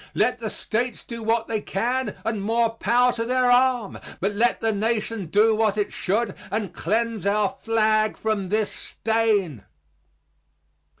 Let the States do what they can, and more power to their arm; but let the Nation do what it should and cleanse our flag from this stain.